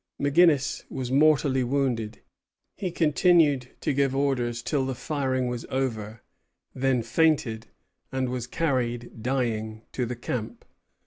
McGinnis was mortally wounded. He continued to give orders till the firing was over; then fainted, and was carried, dying, to the camp.